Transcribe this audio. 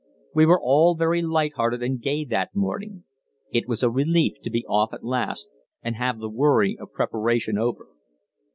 We were all very light hearted and gay that morning; it was a relief to be off at last and have the worry of the preparation over.